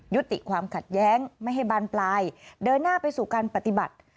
ยุติความขัดแย้งไม่ให้บานปลายเดินหน้าไปสู่การปฏิบัติ